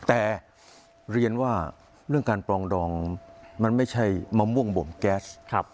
แต่เรียนว่าเรื่องการปรองดองมันไม่ใช่มะม่วงบ่มแก๊ส